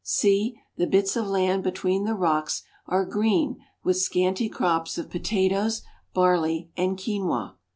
See, the bits of land be tween the rocks are green with scanty crops of potatoes, barley^ and quinua.